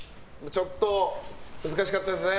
ちょっと難しかったですね。